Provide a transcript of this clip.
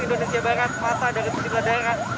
indonesia barat masa dari pilihan daerah